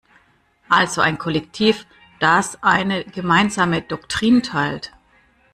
Also ein Kollektiv, das eine gemeinsame Doktrin teilt.